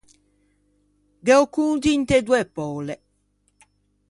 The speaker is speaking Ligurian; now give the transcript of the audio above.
Ghe ô conto inte doe poule.